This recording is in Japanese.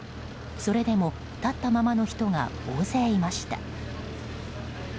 それでも立ったままの人が大勢いました。